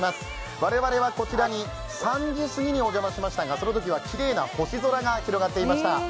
我々はこちらに３時過ぎにお邪魔しましたがそのときはきれいな星空が広がっていました。